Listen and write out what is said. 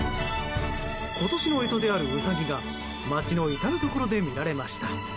今年の干支であるウサギが街の至るところで見られました。